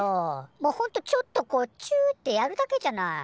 もうほんとちょっとこうチューってやるだけじゃない。